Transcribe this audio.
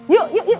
yuk yuk yuk